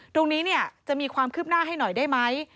ตรงนี้จะมีความคืบหน้าให้หน่อยได้ไหม